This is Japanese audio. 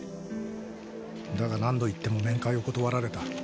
だが何度行っても面会を断られた。